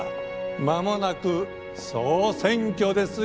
間もなく総選挙ですよ。